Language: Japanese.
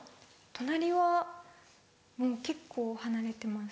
隣はもう結構離れてます。